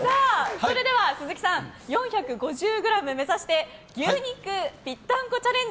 それでは鈴木さん４５０ｇ目指して牛肉ぴったんこチャレンジ